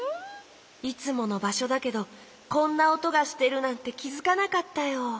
いつものばしょだけどこんなおとがしてるなんてきづかなかったよ。